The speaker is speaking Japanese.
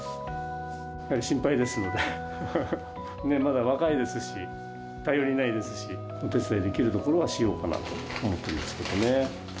やっぱり心配ですので、まだ若いですし、頼りないですし、お手伝いできるところはしようかなと思っていますけどね。